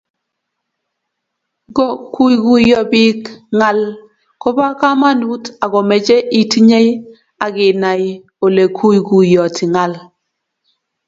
Ngoguiguiyo biik ngaal koba kamanuut agomeche itinyei akinai oleguiguiyoti ngal